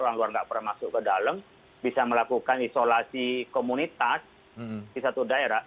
orang luar nggak pernah masuk ke dalam bisa melakukan isolasi komunitas di satu daerah